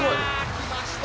きました！